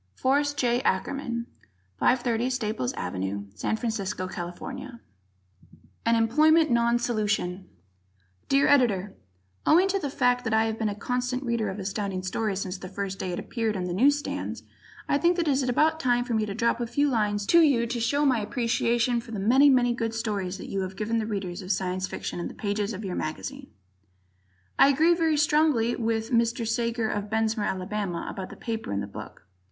Forrest J. Ackerman, 530 Staples Ave., San Francisco, Cal. An Employment Non Solution Dear Editor: Owing to the fact that I have been a constant Reader of Astounding Stories since the first day it appeared on the news stands, I think that it is about time for me to drop a few lines to you to show my appreciation for the many, many good stories that you have given the Readers of Science Fiction in the pages of your mag. I agree very strongly with Mr. Sager of Bessemer, Ala., about the paper in the book.